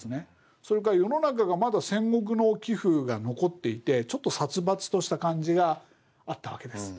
それから世の中がまだ戦国の気風が残っていてちょっと殺伐とした感じがあったわけです。